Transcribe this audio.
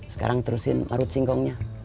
sekarang terusin marut singkongnya